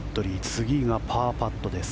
次がパーパットです。